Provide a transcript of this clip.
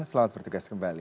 selamat bertugas kembali